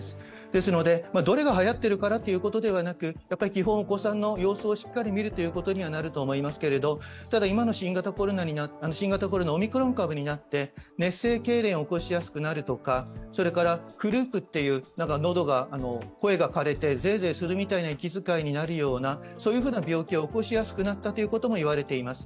ですので、どれがはやっているからということではなく、基本、お子さんの様子をしっかり見るということにはなると思いますけどただ今の新型コロナ、オミクロン株になって熱性けいれんを起こしやすくなるとか、クルークっていう声がかれて、ゼーゼーする息づかいになるようなそういう病気を起こしやすくなったともいわれています。